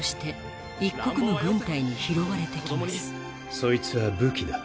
そいつは武器だ